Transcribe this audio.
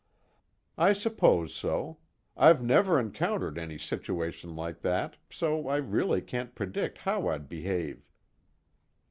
"I suppose so. I've never encountered any situation like that, so I really can't predict how I'd behave."